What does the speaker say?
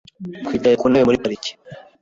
Twicaye ku ntebe muri parike .